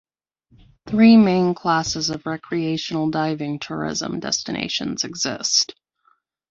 Three main classes of recreational diving tourism destinations exist.